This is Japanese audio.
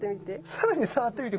さらに触ってみて。